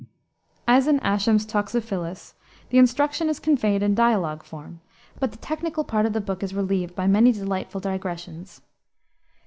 As in Ascham's Toxophilus, the instruction is conveyed in dialogue form, but the technical part of the book is relieved by many delightful digressions.